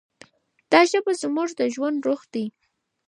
دا ژبه زموږ د ژوند روح دی.